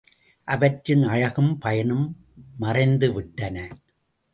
அவற்றின் அழகும் பயனும் மறைந்துவிட்டன.